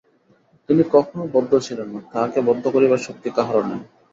তিনি কখনও বদ্ধ ছিলেন না, তাঁহাকে বদ্ধ করিবার শক্তি কাহারও নাই।